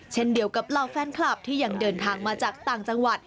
เช่นเดียวกับเหล่าแฟนคลับที่ยังเดินทางมาจากต่างจังหวัด